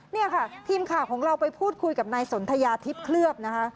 นี่ค่ะทีมข่าวของเราไปพูดคุยกับนายสนทยาทิพย์เคลือบนะคะ